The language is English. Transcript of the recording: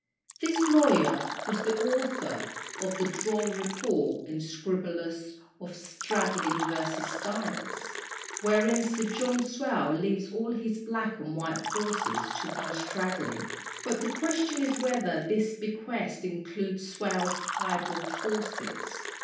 This lawyer was the author of the droll report in Scriblerus of "Stradling versus Styles," wherein Sir John Swale leaves all his black and white horses to one Stradling, but the question is whether this bequest includes Swale's piebald horses.